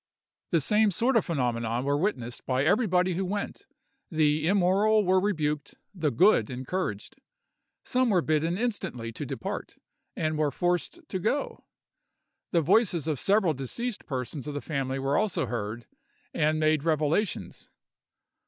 The same sort of phenomena were witnessed by everybody who went—the immoral were rebuked, the good encouraged. Some were bidden instantly to depart, and were forced to go. The voices of several deceased persons of the family were also heard, and made revelations.